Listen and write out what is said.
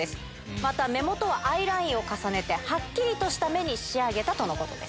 また、目元はアイラインを重ねて、はっきりとした目に仕上げたとのことです。